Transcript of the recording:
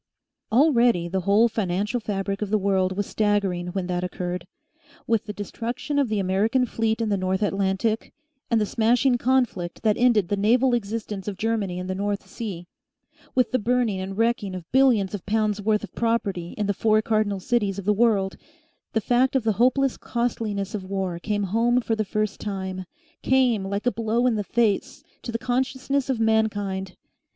Already the whole financial fabric of the world was staggering when that occurred. With the destruction of the American fleet in the North Atlantic, and the smashing conflict that ended the naval existence of Germany in the North Sea, with the burning and wrecking of billions of pounds' worth of property in the four cardinal cities of the world, the fact of the hopeless costliness of war came home for the first time, came, like a blow in the face, to the consciousness of mankind.